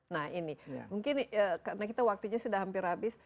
nah ini mungkin karena kita waktunya sudah hampir habis